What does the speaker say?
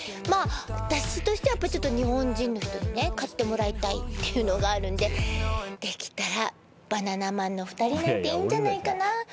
まあ私としては日本人の人に買ってもらいたいってあるんでできたらバナナマンの２人なんていいんじゃないかな。